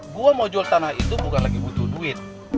gua mau jual tanah itu bukan lagi butuh duit